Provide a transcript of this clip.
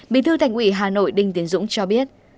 bí thư thành ủy hà nội đinh tiến dũng cho biết